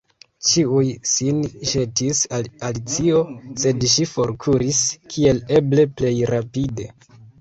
Ĉiuj sin ĵetis al Alicio, sed ŝi forkuris kiel eble plej rapide.